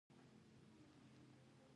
پسه د ښکلا او خلوص غږ دی.